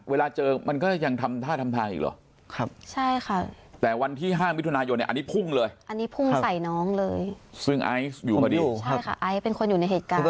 เวลาเจอมันก็ยังทำท่าทำท่ายิกหรอ